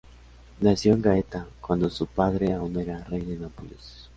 Nació en Gaeta, cuando su padre aún era rey de Nápoles.